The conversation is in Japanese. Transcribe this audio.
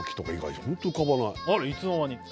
あらいつの間に！